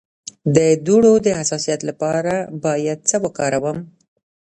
د دوړو د حساسیت لپاره باید څه وکاروم؟